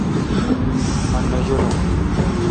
مہ نہ جولوں